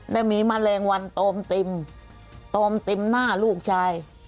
และมีแมลงวันตอมติมโตมติมหน้าลูกชาย